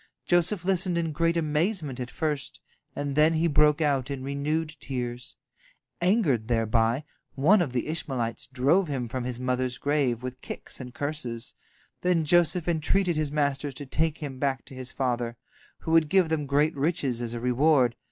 Joseph listened in great amazement at first, and then he broke out in renewed tears. Angered thereby, one of the Ishmaelites drove him from his mother's grave with kicks and curses. Then Joseph entreated his masters to take him back to his father, who would give them great riches as a reward.